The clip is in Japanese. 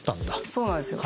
そうなんですよ。